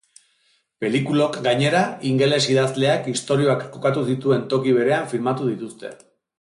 Pelikulok, gainera, ingeles idazleak istorioak kokatu zituen toki beretan filmatu dituzte.